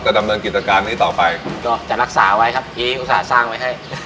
ดำเนินกิจการนี้ต่อไปคุณก็จะรักษาไว้ครับพี่อุตส่าหสร้างไว้ให้